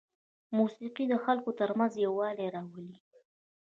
موسیقي د خلکو ترمنځ یووالی راولي.